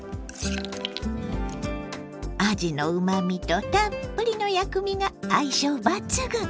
あじのうまみとたっぷりの薬味が相性抜群！